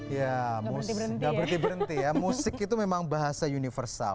ya musik itu memang bahasa universal